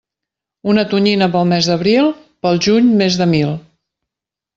Una tonyina pel mes d'abril, pel juny més de mil.